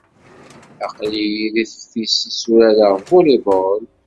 Aql-iyi deg teftist i tturareɣ volley-ball.